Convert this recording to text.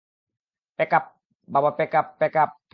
Pack up, বাবা pack up, - pack up.